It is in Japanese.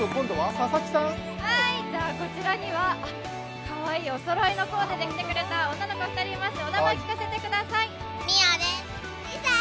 こちらにはかわいいおそろいのコーデで来てくれた女の子２人いますよ。